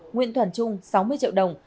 nguyễn thuần trung sáu mươi triệu đồng